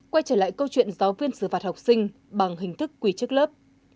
quay trở lại câu chuyện giáo viên xử phạt học sinh bằng hình thức quỷ chức lớp